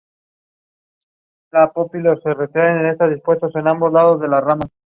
En este ejemplo, un cálculo está compuesto por otros más pequeños.